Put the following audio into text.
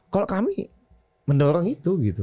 kalau kami mendorong itu gitu